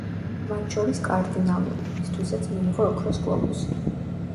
მათ შორის კარდინალური, რისთვისაც მიიღო ოქროს გლობუსი.